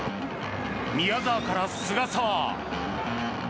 宮澤から菅澤。